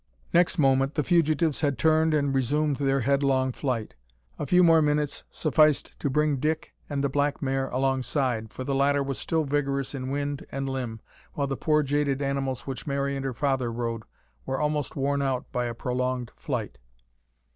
Next moment the fugitives had turned and resumed their headlong flight. A few more minutes sufficed to bring Dick and the black mare alongside, for the latter was still vigorous in wind and limb, while the poor jaded animals which Mary and her father rode were almost worn out by a prolonged flight.